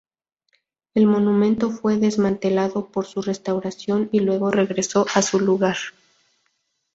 El monumento fue desmantelado para su restauración, y luego regresó a su lugar.